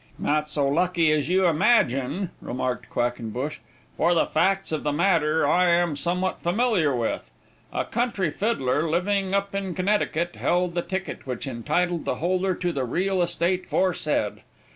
"Not so lucky as you imagine," remarked Quackenbush, "for the facts of that matter I am somewhat familiar with. A country fiddler, living up in Connecticut, held the ticket which entitled the holder to the real estate aforesaid.